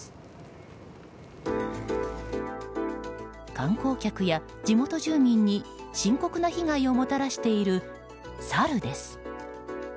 観光客や地元住民に深刻な被害をもたらしているサルです。